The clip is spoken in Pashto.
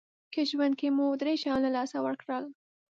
که ژوند کې مو درې شیان له لاسه ورکړل